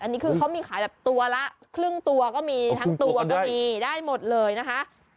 อันนี้คือเขามีขายแบบตัวละครึ่งตัวก็มีทั้งตัวก็มีได้หมดเลยนะคะ